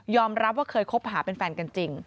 รับว่าเคยคบหาเป็นแฟนกันจริง